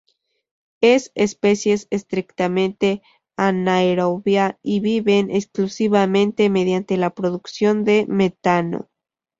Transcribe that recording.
Es especies estrictamente anaerobia y viven exclusivamente mediante la producción de metano.